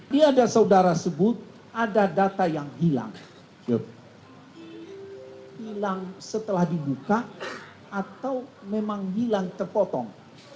dia ada saudara sebut ada data yang hilang hilang setelah dibuka atau memang hilang terpotong